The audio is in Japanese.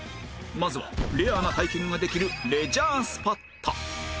まずはレアな体験ができるレジャースポット